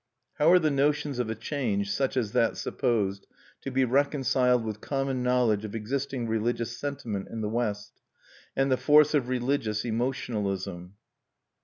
How are the notions of a change, such as that supposed, to be reconciled with common knowledge of existing religious sentiment in the West, and the force of religious emotionalism?